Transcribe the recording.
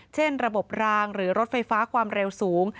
เช่นระบบรางหรือรถไฟฟ้าความเร็วสูง